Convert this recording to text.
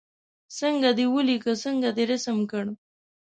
څنګه دې ولیکه څنګه دې رسم کړ.